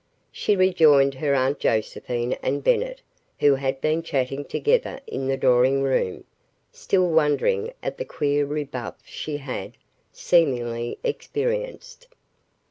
She rejoined her Aunt Josephine and Bennett who had been chatting together in the drawing room, still wondering at the queer rebuff she had, seemingly, experienced.